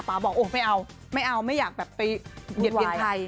บอกโอ้ไม่เอาไม่เอาไม่อยากแบบไปเหยียดเบียนใคร